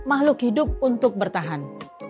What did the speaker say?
makhluk hidup untuk bertahan